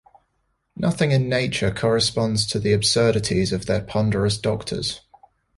Nothing in nature corresponds to the absurdities of their ponderous doctors.